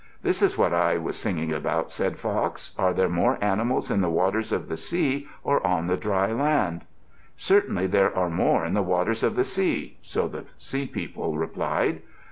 "This is what I was singing about," said Fox. "Are there more animals in the waters of the sea or on the dry land?" "Certainly there are more in the waters of the sea," so the Sea People replied.